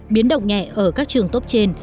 biến động nhẹ ở các trường tốt trên